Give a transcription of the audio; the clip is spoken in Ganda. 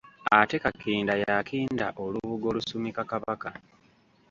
Ate Kakinda y'akinda olubugo olusumika Kabaka.